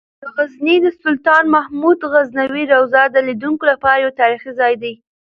د غزني د سلطان محمود غزنوي روضه د لیدونکو لپاره یو تاریخي ځای دی.